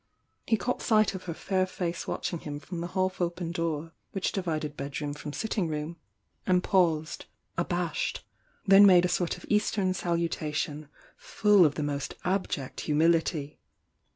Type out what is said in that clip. He caught sight of her fair face watching him from the half open door which divided bedroom from sitting room, and paused, abashed — then made a sort of Eastern salutation, full of the most abject humility.